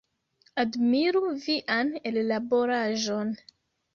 Admiru vian ellaboraĵon!